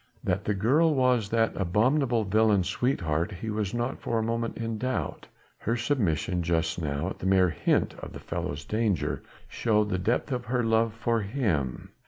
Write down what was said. That the girl was that abominable villain's sweetheart he was not for a moment in doubt, her submission just now, at the mere hint of the fellow's danger, showed the depth of her love for him.